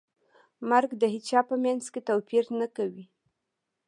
مرګ د هیچا په منځ کې توپیر نه کوي.